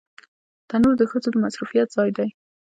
تنور د ښځو د مصروفيت ځای دی